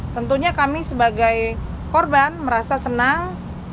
tentunya kami sebagai korban merasa senang